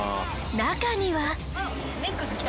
中には。